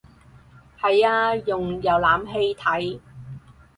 係啊用瀏覽器睇